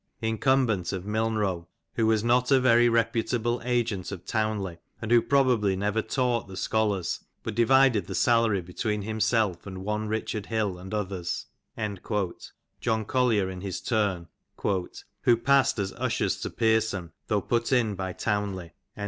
incumbent of Milnrow, who " was a not very reputable agent of Townley, and who probably " never taught the scholars, but divided the salary between himself " and one Richard Hill and others," (John Collier in his turn), "who passed as ushers to Pearson though put in by Townley.'